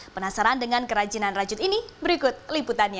penasaran dengan kerajinan rajut ini berikut liputannya